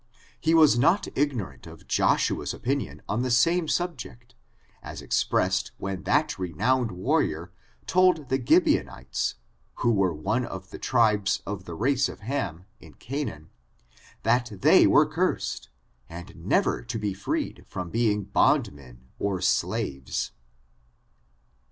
He was not ignorant oiJoshuafs opinion on the same sub ject, as expressed when that renowned warrior told the Gibeonites, who were one of the tribes of the race of Ham, in Canaan, that they were cursed, and never to be freed firom being bondmen or slaves.